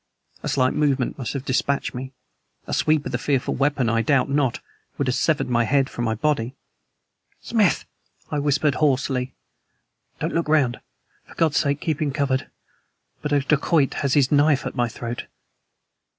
A slight movement must have dispatched me; a sweep of the fearful weapon, I doubt not, would have severed my head from my body. "Smith!" I whispered hoarsely, "don't look around. For God's sake keep him covered. But a dacoit has his knife at my throat!"